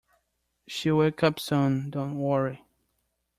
She’ll wake up soon, don't worry